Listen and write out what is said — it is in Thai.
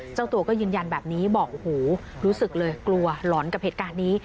เจ้าตัวก็ยืนยันแบบนี้บอกโอ้โหรู้สึกเลยกลัวหลอนกับเหตุการณ์นี้